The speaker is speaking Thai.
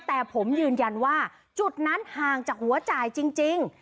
แต่ผมยืนยันว่าจุดนั้นห่างจากหัวจ่ายจริง